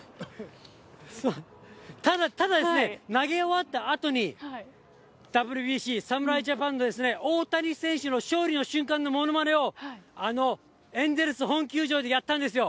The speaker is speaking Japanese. そう、ただですね、投げ終わったあとに、ＷＢＣ侍ジャパンの大谷選手の勝利の瞬間のものまねを、あのエンゼルス本球場でやったんですよ。